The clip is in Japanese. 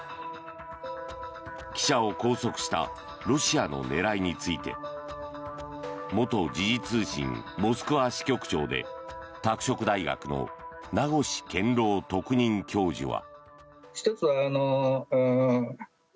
記者を拘束したロシアの狙いについて元時事通信モスクワ支局長で拓殖大学の名越健郎特任教授は。